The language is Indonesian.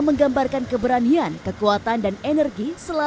masuk tiga n itu kan juga